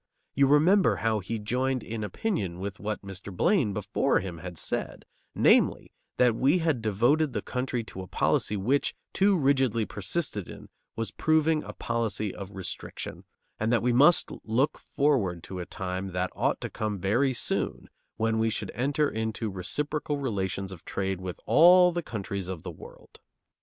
You remember how he joined in opinion with what Mr. Blaine before him had said namely, that we had devoted the country to a policy which, too rigidly persisted in, was proving a policy of restriction; and that we must look forward to a time that ought to come very soon when we should enter into reciprocal relations of trade with all the countries of the world.